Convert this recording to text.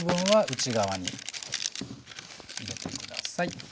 はい。